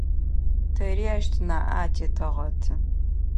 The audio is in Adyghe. Тэри ащ тынаӏэ атетэгъэты.